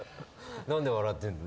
何で笑ってんの？